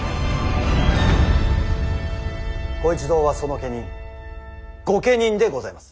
ご一同はその家人御家人でございます。